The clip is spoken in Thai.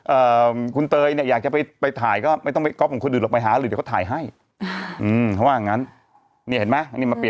อืมคุณเตยเนี่ยอยากจะไปไปถ่ายก็ไม่ต้องฟร